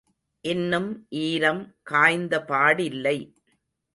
இன்னும் ஈரம் காய்ந்தபாடில்லை.